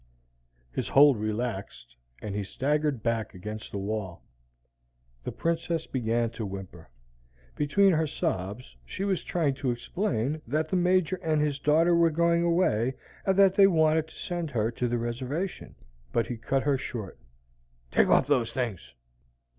His hold relaxed, and he staggered back against the wall. The Princess began to whimper. Between her sobs, she was trying to explain that the Major and his daughter were going away, and that they wanted to send her to the Reservation; but he cut her short. "Take off those things!"